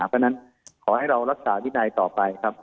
เพราะฉะนั้นขอให้เรารักษาวินัยต่อไปครับ